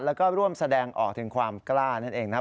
แล้วก็ร่วมแสดงออกถึงความกล้านั่นเองนะครับ